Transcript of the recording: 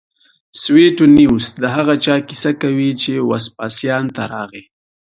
سویټونیوس د هغه چا کیسه کوي چې وسپاسیان ته راغی